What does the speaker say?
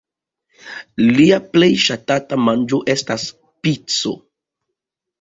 Lia plej ŝatata manĝo estas pico.